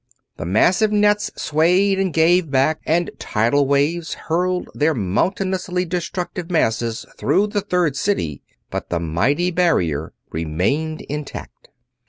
The massive nets swayed and gave back, and tidal waves hurled their mountainously destructive masses through the Third City, but the mighty barrier remained intact.